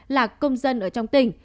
là công dân ở trong tỉnh